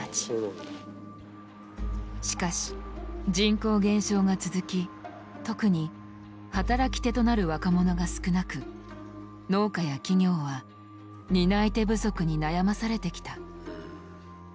しかし人口減少が続き特に働き手となる若者が少なく農家や企業は担い手不足に悩まされてきた。